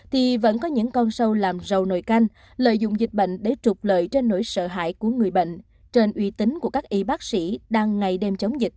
thì vẫn có những con sâu làm rầu nồi canh lợi dụng dịch bệnh để trục lợi trên nỗi sợ hại của người bệnh trên uy tín của các y bác sĩ đang ngày đêm chống dịch